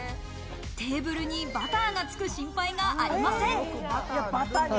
テーブルにバターがつく心配がありません。